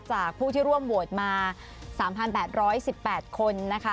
จากผู้ที่ร่วมโหวตมา๓๘๑๘คนนะคะ